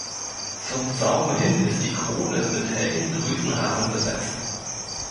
Zum Saum hin ist die Krone mit hellen Drüsenhaaren besetzt.